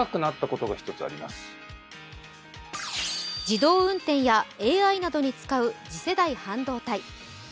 自動運転やＡＩなどに使う次世代半導体。